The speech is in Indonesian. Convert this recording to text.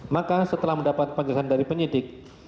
maka setelah mendapat penjelasan dari penyidik